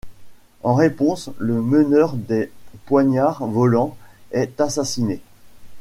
En réponse, le meneur des Poignards Volants est assassiné.